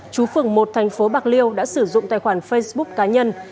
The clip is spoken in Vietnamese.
chú phường một thành phố bạc liêu đã sử dụng tài khoản facebook cá nhân